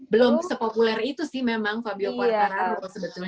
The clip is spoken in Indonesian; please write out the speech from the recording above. belum sepopuler itu sih memang fabio quartara sebetulnya